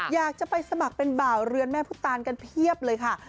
อยากจะไปสมัครเป็นบ่าวเรือนแม่ผู้ตานกันเพียบเลยค่ะ